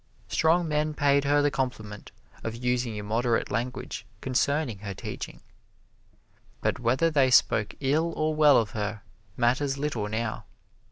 Strong men paid her the compliment of using immoderate language concerning her teaching. But whether they spoke ill or well of her matters little now.